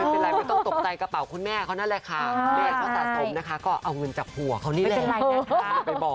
ไม่ต้องตกใจกระเป๋าของคุณแม่ค่อนั่นเลยค่ะแม่เขาสะสมนะคะก็เอาเงินจากหัวเขานี่เลย